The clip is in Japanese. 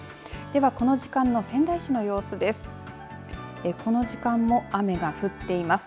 では、この時間の仙台市の様子です。